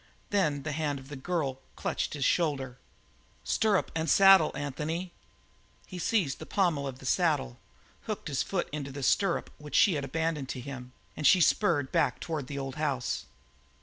Then the hand of the girl clutched his shoulder. "Stirrup and saddle, Anthony!" He seized the pommel of the saddle, hooked his foot into the stirrup which she abandoned to him, and she spurred back toward the old house.